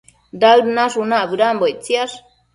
Daëd nashunac bëdanbo ictsiash